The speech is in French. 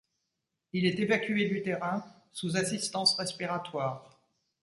Il est évacué du terrain sous assistance respiratoire.